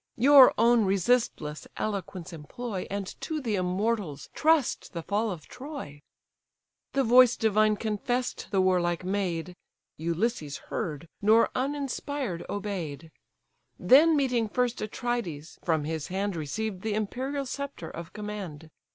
Your own resistless eloquence employ, And to the immortals trust the fall of Troy." The voice divine confess'd the warlike maid, Ulysses heard, nor uninspired obey'd: Then meeting first Atrides, from his hand Received the imperial sceptre of command.